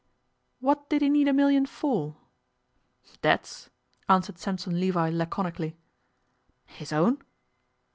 'What did he need a million for?' 'Debts,' answered Sampson Levi laconically. 'His own?